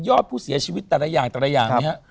อดผู้เสียชีวิตแต่ละอย่างแต่ละอย่างเนี่ยฮะ